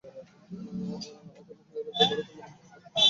অতএব, মহিলাদের ব্যাপারে তোমরা আমার সদুপদেশ গ্রহণ কর।